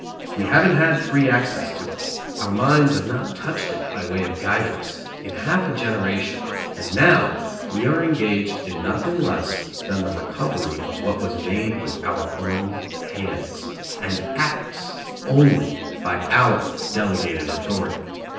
We haven't had free access to it, our minds have not touched it by way of guidance, in half a generation, and now we are engaged in nothing less than the recovery of what was made with our own hands, and acts only by our delegated authority.